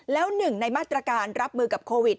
แล้วหนึ่งในมาตรการรับมือกับโควิด